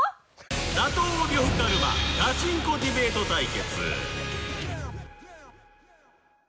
打倒呂布カルマガチンコディベート対決